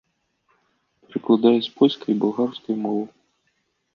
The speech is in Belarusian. Перакладае з польскай і балгарскай моваў.